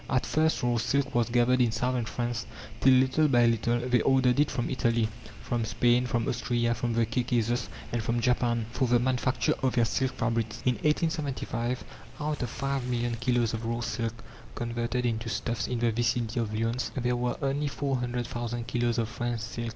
At first raw silk was gathered in southern France, till little by little they ordered it from Italy, from Spain, from Austria, from the Caucasus, and from Japan, for the manufacture of their silk fabrics. In 1875, out of five million kilos of raw silk converted into stuffs in the vicinity of Lyons, there were only four hundred thousand kilos of French silk.